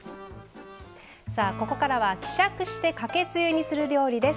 さあここからは希釈してかけつゆにする料理です。